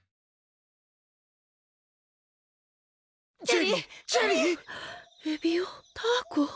ジェリー！？